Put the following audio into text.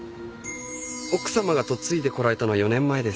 奥さまが嫁いでこられたのは４年前です。